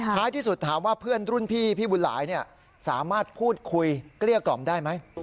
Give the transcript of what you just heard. ท้ายที่สุดถามว่าเพื่อนรุ่นพี่พี่บุญหลายสามารถพูดคุยเกลี้ยกล่อมได้ไหม